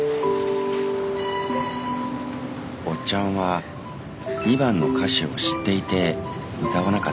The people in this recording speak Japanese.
「おっちゃんは２番の歌詞を知っていて歌わなかったのだろうか。